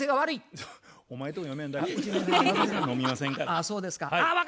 あそうですか。